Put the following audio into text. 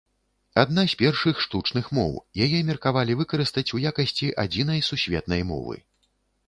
Адна з першых штучных моў, яе меркавалі выкарыстаць у якасці адзінай сусветнай мовы.